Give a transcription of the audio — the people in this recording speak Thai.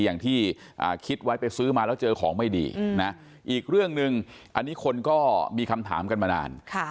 อย่างที่คิดไว้ไปซื้อมาแล้วเจอของไม่ดีนะอีกเรื่องหนึ่งอันนี้คนก็มีคำถามกันมานาน